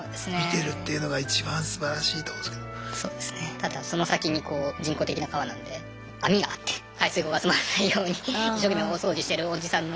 ただその先に人工的な川なんで網があって排水口が詰まらないように一生懸命大掃除してるおじさんの。